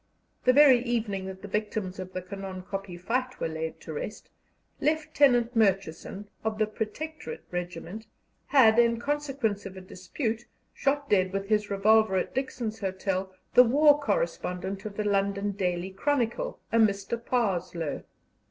The very evening that the victims of the Canon Kopje fight were laid to rest, Lieutenant Murchison, of the Protectorate Regiment, had, in consequence of a dispute, shot dead with his revolver at Dixon's Hotel the war correspondent of the London Daily Chronicle, a Mr. Parslow.